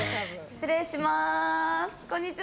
失礼します。